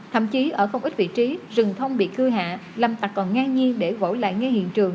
thậm chí ở không ít vị trí rừng thông bị cưa hạ lâm tạc còn ngang nhiên để gội lại ngay hiện trường